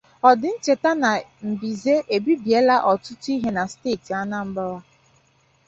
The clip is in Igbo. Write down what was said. Ọ dị nchèta na mbize ebibiela ọtụtụ ihe na steeti Anambra